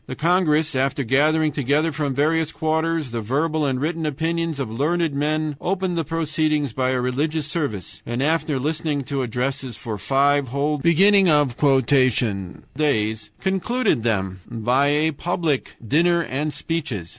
The congress after gathering together from various quarters the verbal and written opinion of learned men opened the proceedings by a religious service, and after listening to addresses for five whole days, concluded them by a public dinner and speeches.